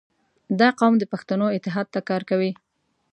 • دا قوم د پښتنو اتحاد ته کار کوي.